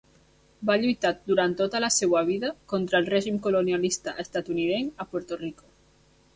Va lluitar durant tota la seva vida contra el règim colonialista estatunidenc a Puerto Rico.